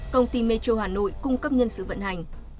công ty metro hà nội cung cấp nhân sự vận hành